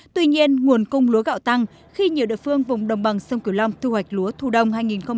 tuy nhiên nguồn cung lúa gạo tăng khi nhiều địa phương vùng đồng bằng sông cửu long thu hoạch lúa thu đông hai nghìn hai mươi